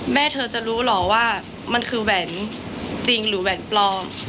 แม่เธอจะรู้เหรอว่ามันคือแหวนจริงหรือแหวนปลอม